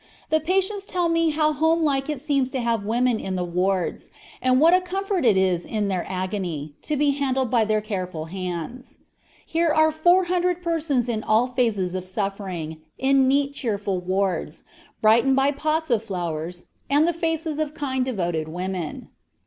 The patients tell me how "homelike it seems to have women in the wards, and what a comfort it is in their agony, to be handled by their careful hands." Here are four hundred persons in all phases of suffering, in neat, cheerful wards, brightened by pots of flowers, and the faces of kind, devoted women.